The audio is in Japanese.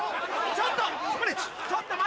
ちょっと。